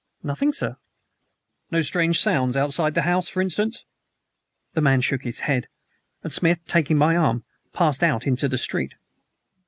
"Nothing, sir." "No strange sounds outside the house, for instance?" The man shook his head, and Smith, taking my arm, passed out into the street.